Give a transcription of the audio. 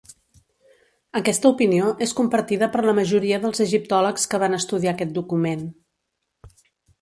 Aquesta opinió és compartida per la majoria dels egiptòlegs que van estudiar aquest document.